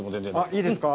いいですか。